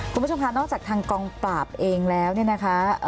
คุณผู้ชมค่ะนอกจากทางกองปราบเองแล้วเนี่ยนะคะ